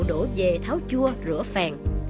đổ về tháo chua rửa phèn